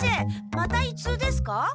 またいつうですか？